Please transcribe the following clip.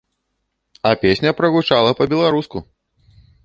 А песня прагучала па-беларуску!